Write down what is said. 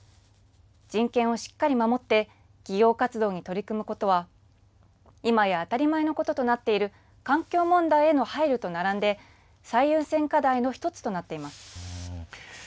人権をしっかり守って企業活動に取り組むことはいまや当たり前のこととなっている環境問題への配慮と並んで最優先課題の１つとなっています。